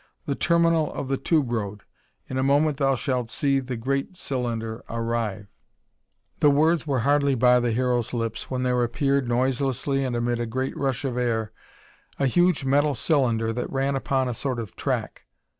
"The terminal of the tube road. In a moment thou shalt see the great cylinder arrive." The words were hardly by the Hero's lips when there appeared, noiselessly and amid a great rush of air, a huge metal cylinder that ran upon a sort of truck.